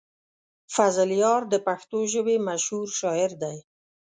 فضلیار د پښتو ژبې مشهور شاعر دی.